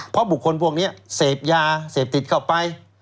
เพราะบุคคลพวกนี้เสพยาเสพติดเข้าไป